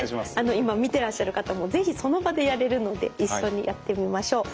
今見てらっしゃる方も是非その場でやれるので一緒にやってみましょう。